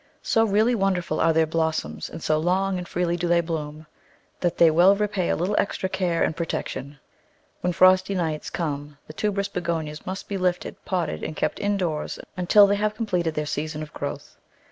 So really wonderful are their blossoms, and so long and freely do they bloom, that they well repay a little extra care and protection. When frosty nights come the tuberous Begonias must be lifted, potted and kept indoors until they have completed their season of growth.